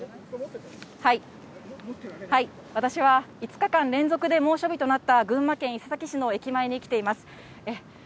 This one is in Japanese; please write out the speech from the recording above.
私は５日間連続で猛暑日となった群馬県伊勢崎市の駅前に来ています。